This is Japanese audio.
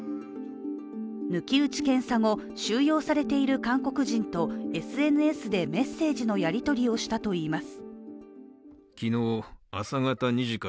抜き打ち検査後、収容されている韓国人とＳＮＳでメッセージのやり取りをしたといいます。